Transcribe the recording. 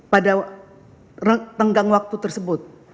pada tenggang waktu tersebut